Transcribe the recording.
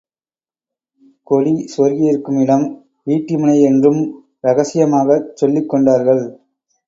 கொடி சொருகி இருக்கும் இடம் ஈட்டி முனை என்றும் ரகசியமாகச் சொல்லிக் கொண்டார்கள்.